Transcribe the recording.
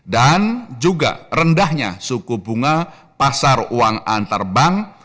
dan juga rendahnya suku bunga pasar uang antarbank